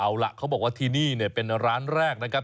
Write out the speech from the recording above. เอาล่ะเขาบอกว่าที่นี่เนี่ยเป็นร้านแรกนะครับ